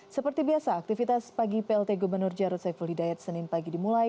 seperti biasa aktivitas pagi plt gubernur jarod saiful hidayat senin pagi dimulai